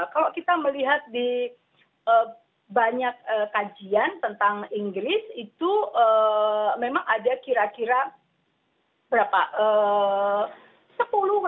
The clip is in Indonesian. kalau kita melihat di banyak kajian tentang inggris itu memang ada kira kira berapa